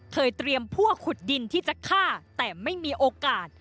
เตรียมพวกขุดดินที่จะฆ่าแต่ไม่มีโอกาส